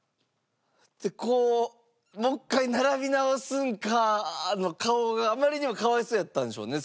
こうもう１回並び直すんかの顔があまりにも可哀想やったんでしょうね。